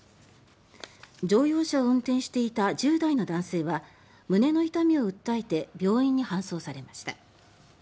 乗用車を運転していた１０代の男性は胸の痛みを訴えて病院に搬送されました。